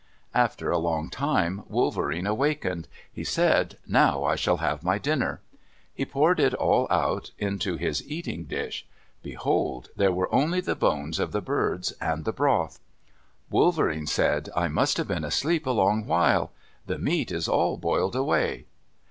After a long time, Wolverene awakened. He said, "Now I shall have my dinner." He poured it all out into his eating dish. Behold! There were only the bones of the birds, and the broth. Wolverene said, "I must have been asleep a long while. The meat is all boiled away."